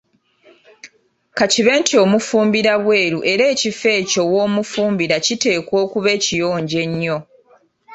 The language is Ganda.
Ka kibe nti ofumbira bwelu era ekifo ekyo w‘ofumbira kiteekwa okuba ekiyonjo ennyo.